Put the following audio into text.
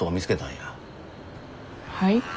はい？